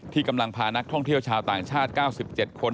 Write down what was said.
กำลังพานักท่องเที่ยวชาวต่างชาติ๙๗คน